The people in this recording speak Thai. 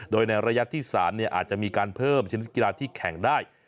โดยในระยะที่๓อาจจะมีการเพิ่มชนิดกีฬาที่แข่งได้